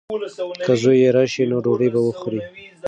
که زوی یې راشي نو ډوډۍ به وخوري.